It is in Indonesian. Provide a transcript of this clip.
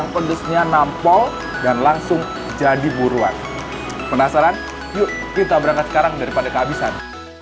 penasaran yuk kita berangkat sekarang daripada kehabisan